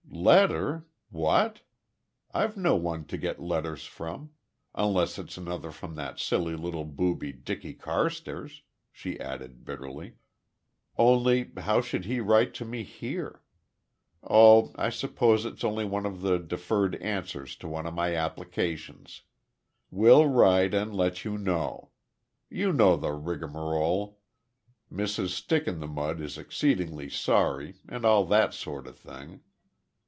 "Letter? What? I've no one to get letters from unless it's another from that silly little booby, Dicky Carstairs," she added bitterly. "Only, how should he write to me here? Oh, I suppose it's only one of the deferred answers to one of my applications. `Will write and let you know.' You know the rigmarole `Mrs Stick in the mud is exceedingly sorry' and all that sort of thing.